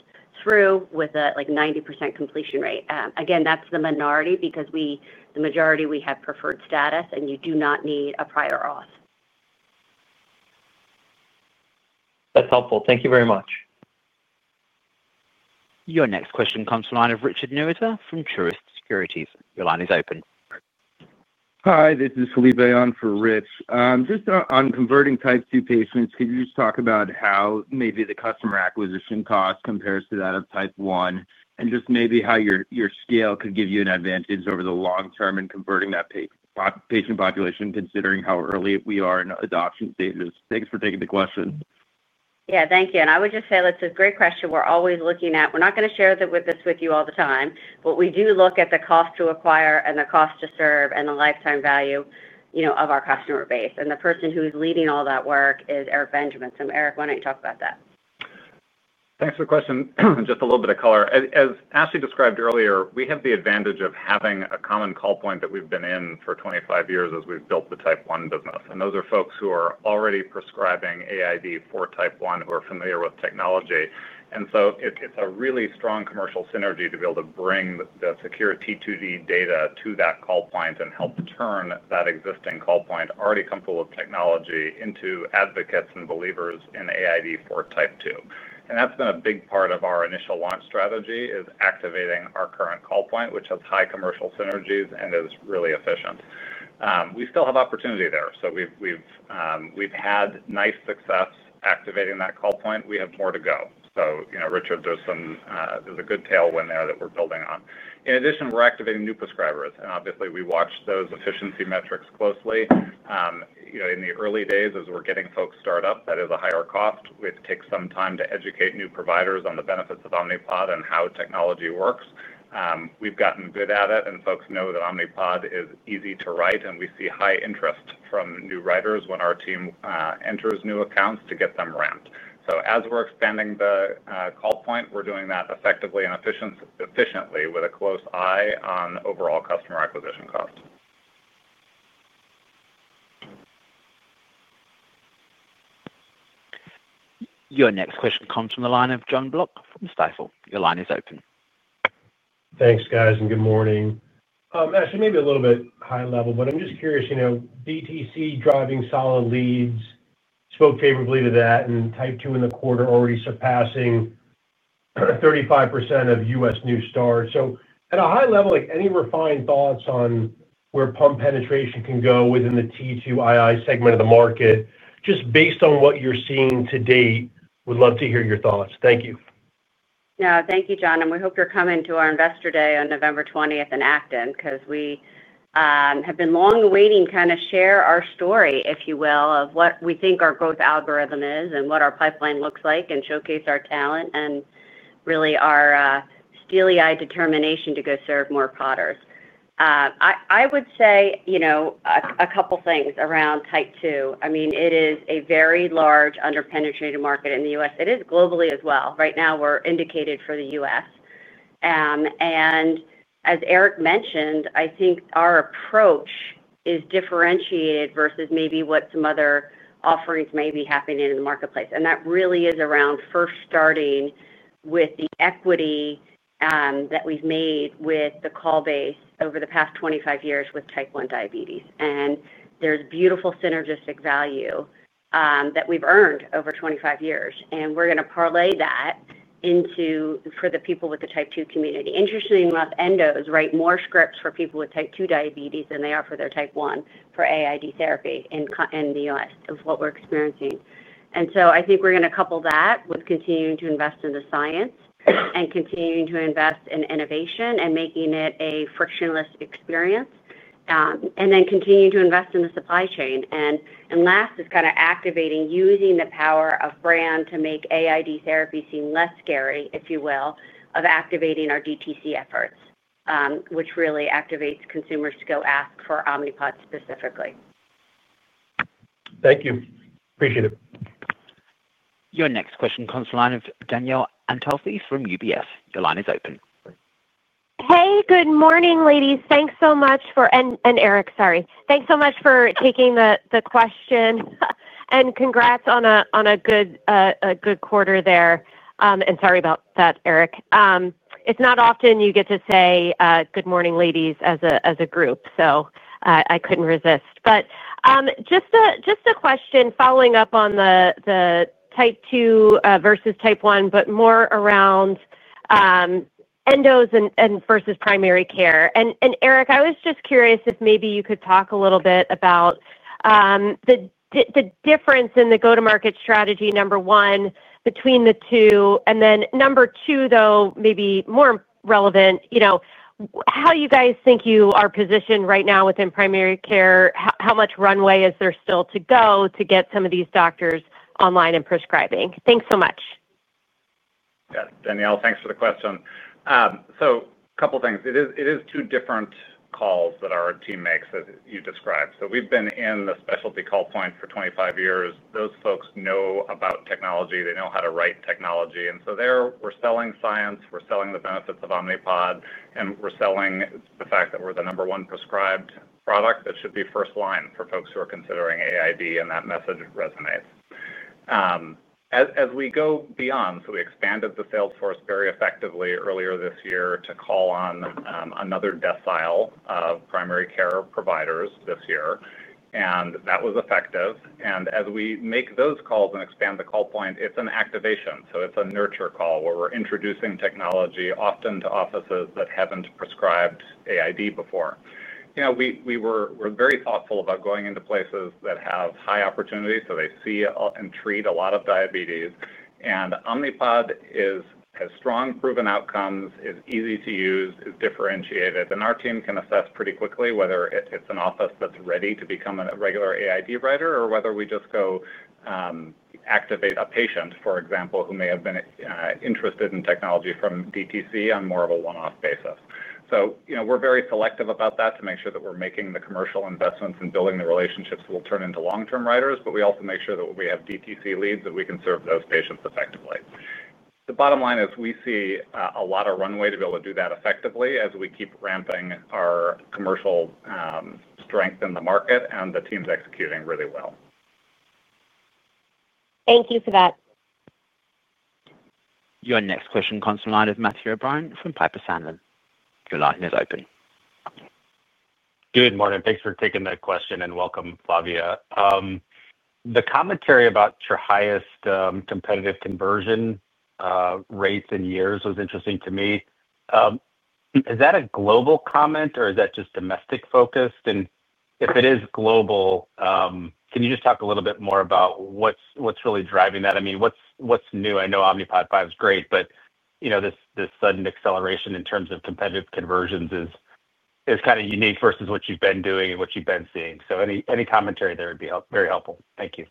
through with a 90% completion rate. Again, that's the minority because the majority we have preferred status, and you do not need a prior auth. That's helpful. Thank you very much. Your next question comes from the line of Richard Newitter from Truist Securities. Your line is open. Hi, this is Felipe on for Rich. Just on converting Type 2 patients, could you just talk about how maybe the customer acquisition cost compares to that of Type 1, and just maybe how your scale could give you an advantage over the long term in converting that patient population, considering how early we are in adoption stages? Thanks for taking the question. Yeah, thank you. I would just say that's a great question we're always looking at. We're not going to share this with you all the time, but we do look at the cost to acquire and the cost to serve and the lifetime value of our customer base. The person who's leading all that work is Eric Benjamin. Eric, why don't you talk about that? Thanks for the question. Just a little bit of color. As Ashley described earlier, we have the advantage of having a common call point that we've been in for 25 years as we've built the Type 1 business. Those are folks who are already prescribing AID for Type 1 who are familiar with technology. It is a really strong commercial synergy to be able to bring the SECURE T2D data to that call point and help turn that existing call point, already comfortable with technology, into advocates and believers in AID for Type 2. That has been a big part of our initial launch strategy, activating our current call point, which has high commercial synergies and is really efficient. We still have opportunity there. We've had nice success activating that call point. We have more to go. Richard, there's a good tailwind there that we're building on. In addition, we're activating new prescribers. Obviously, we watch those efficiency metrics closely. In the early days, as we're getting folks start up, that is a higher cost. It takes some time to educate new providers on the benefits of Omnipod and how technology works. We've gotten good at it, and folks know that Omnipod is easy to write, and we see high interest from new writers when our team enters new accounts to get them ramped. As we're expanding the call point, we're doing that effectively and efficiently with a close eye on overall customer acquisition cost. Your next question comes from the line of John Block from Stifel. Your line is open. Thanks, guys, and good morning. Actually, maybe a little bit high level, but I'm just curious. DTC driving solid leads spoke favorably to that, and Type 2 in the quarter already surpassing 35% of U.S. new starts. At a high level, any refined thoughts on where pump penetration can go within the T2II segment of the market, just based on what you're seeing to date, would love to hear your thoughts. Thank you. Yeah, thank you, John. We hope you're coming to our investor day on November 20th in Acton because we have been long awaiting to kind of share our story, if you will, of what we think our growth algorithm is and what our pipeline looks like and showcase our talent and really our steely-eyed determination to go serve more podders. I would say a couple of things around Type 2. I mean, it is a very large under-penetrated market in the U.S. It is globally as well. Right now, we're indicated for the U.S. As Eric mentioned, I think our approach is differentiated versus maybe what some other offerings may be happening in the marketplace. That really is around first starting with the equity that we've made with the call base over the past 25 years with Type 1 diabetes. There is beautiful synergistic value that we've earned over 25 years. We're going to parlay that for the people with the Type 2 community. Interestingly enough, [Endos] write more scripts for people with Type 2 diabetes than they are for their Type 1 for AID therapy in the U.S., is what we're experiencing. I think we're going to couple that with continuing to invest in the science and continuing to invest in innovation and making it a frictionless experience. Then continue to invest in the supply chain. Last is kind of activating, using the power of brand to make AID therapy seem less scary, if you will, of activating our DTC efforts, which really activates consumers to go ask for Omnipod specifically. Thank you. Appreciate it. Your next question, Comes from the line of Danielle Antalffy from UBS. Your line is open. Hey, good morning, ladies. Thanks so much for—and Eric, sorry—thanks so much for taking the question. And congrats on a good quarter there. Sorry about that, Eric. It's not often you get to say, "Good morning, ladies," as a group. I couldn't resist. Just a question following up on the Type 2 versus Type 1, but more around endos versus primary care. Eric, I was just curious if maybe you could talk a little bit about the difference in the go-to-market strategy, number one, between the two. Number two, though, maybe more relevant. How you guys think you are positioned right now within primary care, how much runway is there still to go to get some of these doctors online and prescribing? Thanks so much. Yeah, Danielle, thanks for the question. A couple of things. It is two different calls that our team makes, as you described. We have been in the specialty call point for 25 years. Those folks know about technology. They know how to write technology. There, we are selling science. We are selling the benefits of Omnipod. We are selling the fact that we are the number one prescribed product that should be first line for folks who are considering AID, and that message resonates. As we go beyond, we expanded the sales force very effectively earlier this year to call on another decile of primary care providers this year. That was effective. As we make those calls and expand the call point, it is an activation. It is a nurture call where we are introducing technology often to offices that have not prescribed AID before. We are very thoughtful about going into places that have high opportunities so they see and treat a lot of diabetes. Omnipod has strong proven outcomes, is easy to use, is differentiated. Our team can assess pretty quickly whether it is an office that is ready to become a regular AID writer or whether we just go activate a patient, for example, who may have been interested in technology from DTC on more of a one-off basis. We're very selective about that to make sure that we're making the commercial investments and building the relationships that will turn into long-term writers, but we also make sure that we have DTC leads that we can serve those patients effectively. The bottom line is we see a lot of runway to be able to do that effectively as we keep ramping our commercial strength in the market and the teams executing really well. Thank you for that. Your next question comes from the line of Matthew O'Brien from Piper Sandler. Your line is open. Good morning. Thanks for taking that question and welcome, Flavia. The commentary about your highest competitive conversion rates in years was interesting to me. Is that a global comment, or is that just domestic-focused? If it is global, can you just talk a little bit more about what's really driving that? I mean, what's new? I know Omnipod 5 is great, but this sudden acceleration in terms of competitive conversions is kind of unique versus what you've been doing and what you've been seeing. Any commentary there would be very helpful. Thank you.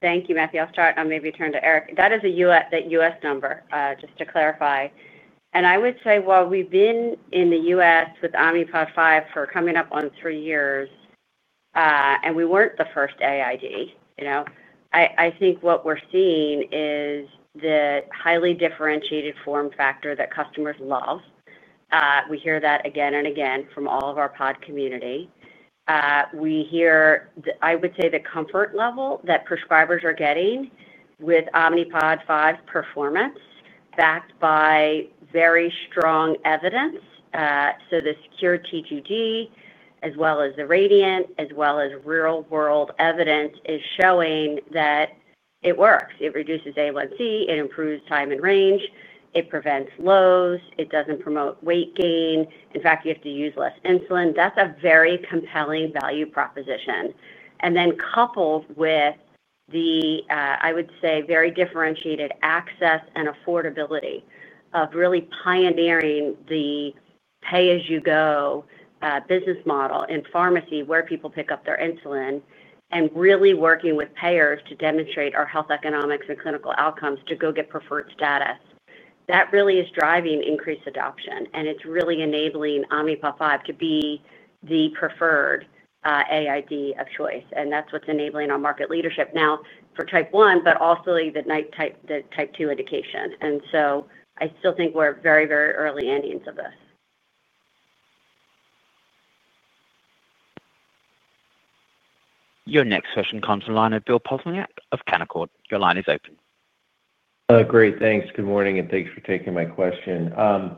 Thank you, Matthew. I'll maybe turn to Eric. That is the U.S. number, just to clarify. I would say, while we've been in the U.S. with Omnipod 5 for coming up on three years, and we weren't the first AID, I think what we're seeing is the highly differentiated form factor that customers love. We hear that again and again from all of our pod community. We hear, I would say, the comfort level that prescribers are getting with Omnipod 5 performance backed by very strong evidence. The SECURE-T2D, as well as the RADIANT, as well as real-world evidence, is showing that it works. It reduces A1C. It improves time in range. It prevents lows. It doesn't promote weight gain. In fact, you have to use less insulin. That's a very compelling value proposition. Coupled with the, I would say, very differentiated access and affordability of really pioneering the pay-as-you-go business model in pharmacy where people pick up their insulin and really working with payers to demonstrate our health economics and clinical outcomes to go get preferred status, that really is driving increased adoption. It's really enabling Omnipod 5 to be the preferred AID of choice. That's what's enabling our market leadership now for Type 1, but also the Type 2 indication. I still think we're very, very early innings of this. Your next question, Comes from the line of Bill Plovanic of Canaccord. Your line is open. Great. Thanks. Good morning, and thanks for taking my question. I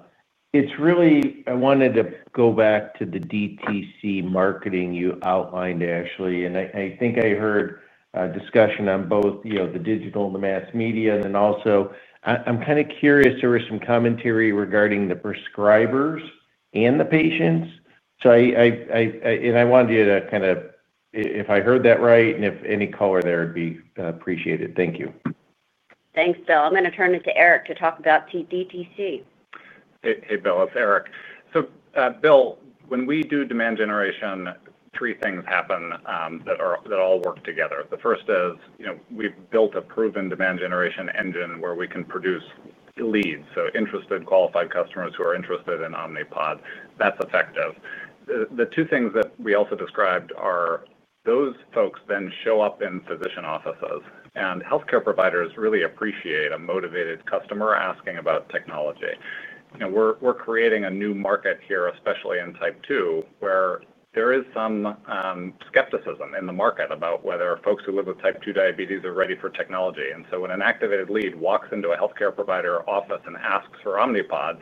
wanted to go back to the DTC marketing you outlined, Ashley. I think I heard discussion on both the digital and the mass media. I am kind of curious, there was some commentary regarding the prescribers and the patients. I wanted you to kind of—if I heard that right, and if any color there, it would be appreciated. Thank you. Thanks, Bill. I am going to turn it to Eric to talk about DTC. Hey, Bill. It is Eric. Bill, when we do demand generation, three things happen that all work together. The first is we have built a proven demand generation engine where we can produce leads. Interested qualified customers who are interested in Omnipod, that is effective. The two things that we also described are those folks then show up in physician offices. Healthcare providers really appreciate a motivated customer asking about technology. We're creating a new market here, especially in Type 2, where there is some skepticism in the market about whether folks who live with Type 2 diabetes are ready for technology. When an activated lead walks into a healthcare provider office and asks for Omnipod,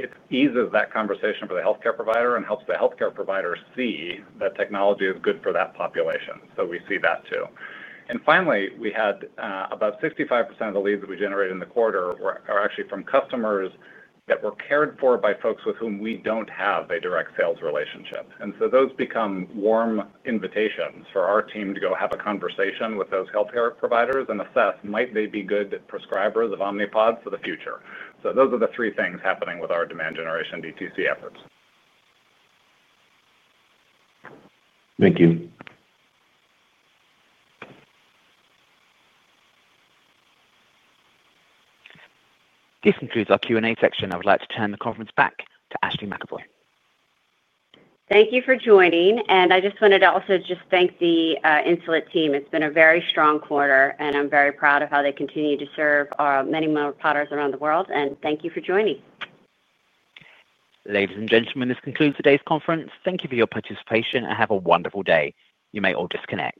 it eases that conversation for the healthcare provider and helps the healthcare provider see that technology is good for that population. We see that too. Finally, we had about 65% of the leads that we generated in the quarter are actually from customers that were cared for by folks with whom we do not have a direct sales relationship. Those become warm invitations for our team to go have a conversation with those healthcare providers and assess, might they be good prescribers of Omnipod for the future? Those are the three things happening with our demand generation DTC efforts. Thank you. This concludes our Q&A section. I would like to turn the conference back to Ashley McEvoy. Thank you for joining. I just wanted to also thank the Insulet team. It's been a very strong quarter, and I'm very proud of how they continue to serve many more podders around the world. Thank you for joining. Ladies and gentlemen, this concludes today's conference. Thank you for your participation, and have a wonderful day. You may all disconnect.